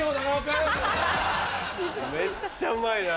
めっちゃうまいな。